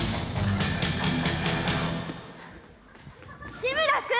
志村君！